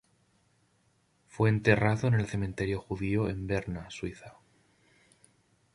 Fue enterrado en el cementerio judío en Berna, Suiza.